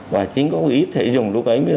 và chính quốc tịch quýt thể dùng lúc ấy